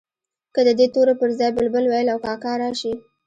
که د دې تورو پر ځای بلبل، وېل او کاکل راشي.